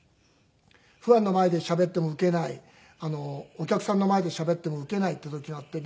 ファンの前でしゃべってもウケないお客さんの前でしゃべってもウケないっていう時があって。